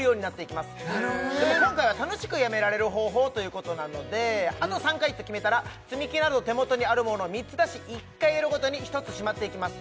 今回は楽しくやめられる方法ということなのであと３回って決めたら積み木など手元にあるものを３つ出し１回やるごとに１つしまっていきます